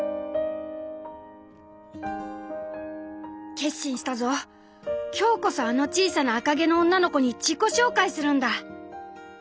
「決心したぞ今日こそあの小さな赤毛の女の子に自己紹介するんだ」。